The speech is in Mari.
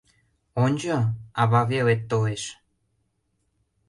— Ончо... ававелет толеш.